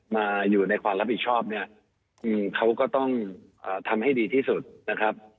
มาอยู่ในความรับผิดชอบเนี่ยเขาก็ต้องทำให้ดีที่สุดนะครับ